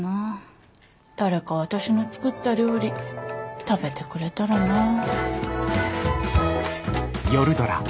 誰か私の作った料理食べてくれたらなぁ。